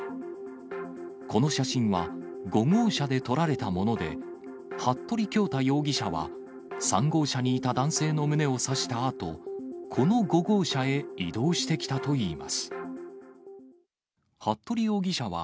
この写真は、５号車で撮られたもので、服部恭太容疑者は、３号車にいた男性の胸を刺したあと、この５号車へ移動してきたといいます。